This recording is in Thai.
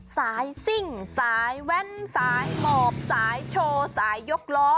ซิ่งสายแว้นสายหมอบสายโชว์สายยกล้อ